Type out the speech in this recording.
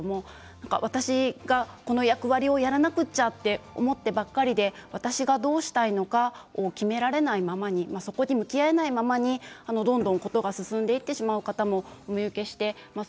私がこの役割をやらなくちゃと思ってばかりで私がどうしたいのか決められないままにそこに向き合えないままにどんどん事が進んでいってしまう方もお見受けしています。